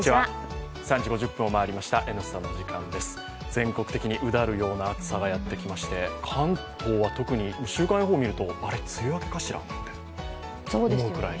全国的にうだるような暑さがやってきまして関東は特に週間予報見ると梅雨明けかしらと思うくらい。